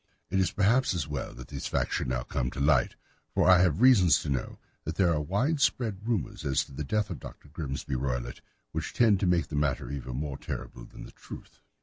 It is perhaps as well that the facts should now come to light, for I have reasons to know that there are widespread rumours as to the death of Dr. Grimesby Roylott which tend to make the matter even more terrible than the truth.